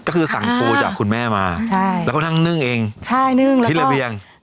ก็คือสั่งโปรจากคุณแม่มาแล้วก็ทั้งนึ่งเองที่ระเบียง